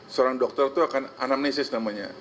seorang dokter itu akan anamnesis namanya